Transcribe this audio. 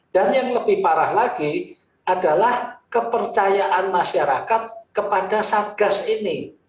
dan yang lebih parah lagi adalah kepercayaan masyarakat kepada satgas ini